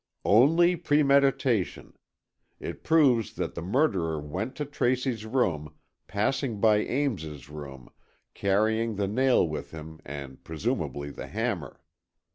"Only premeditation. It proves that the murderer went to Tracy's room, passing by Ames's room, carrying the nail with him, and presumably the hammer.